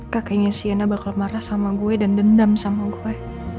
kakeknya siena bakal marah sama gue dan dendam sama gue